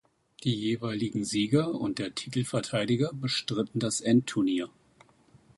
Die jeweiligen Sieger und der Titelverteidiger bestritten das Endturnier.